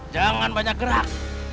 jangan banyak gerak